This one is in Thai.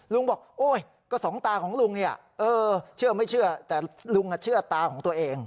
ลุงบอกโอ๊ยก็สองตาของลุงเนี่ยเชื่อไม่เชื่อแต่ลุงเชื่อตาของตัวเอง